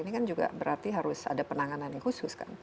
ini kan juga berarti harus ada penanganan yang khusus kan